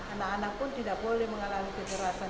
anak anak pun tidak boleh mengalami kekerasan